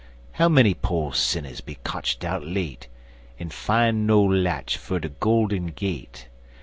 How many po' sinners'll be kotched out late En fin' no latch ter de golden gate?